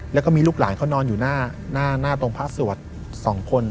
แล้วก็มีลูกหลานเขานอนอยู่หน้าตรงพระสวด๒คน